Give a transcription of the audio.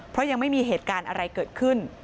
เพราะยังไม่มีเหตุการณ์อะไรเกิดขึ้น